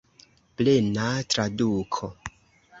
Plena traduko.